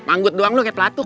manggut doang lu kayak pelatu